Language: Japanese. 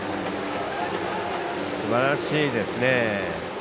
すばらしいですね。